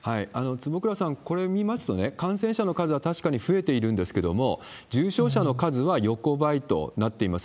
坪倉さん、これ見ますとね、感染者の数は確かに増えているんですけれども、重症者の数は横ばいとなっています。